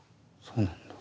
そうなんだ。